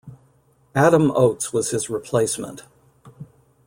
Adam Oates was his replacement.